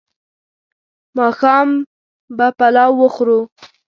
ماښام به پلاو وخورو